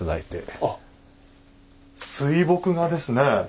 あっ水墨画ですね。